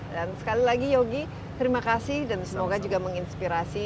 dan sekali lagi yogi terima kasih dan semoga juga menginspirasi